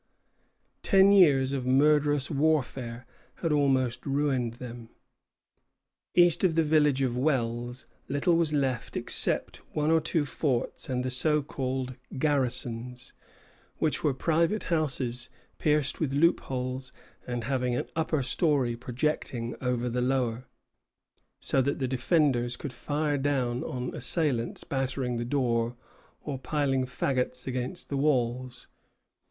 Ten years of murderous warfare had almost ruined them. East of the village of Wells little was left except one or two forts and the so called "garrisons," which were private houses pierced with loopholes and having an upper story projecting over the lower, so that the defenders could fire down on assailants battering the door or piling fagots against the walls.